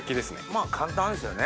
まぁ簡単ですよね。